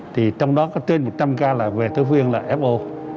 thì trong đó có trên một trăm linh ca là về thư viên là fo